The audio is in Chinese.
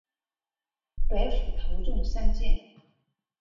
白虎头中三箭。